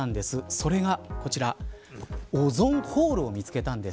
それがこちらオゾンホールを見つけたんです。